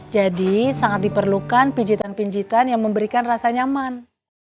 jadi sangat diperlukan pijitan pijitan yang memberikan rasa nyaman